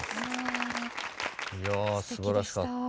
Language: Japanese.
いやすばらしかった。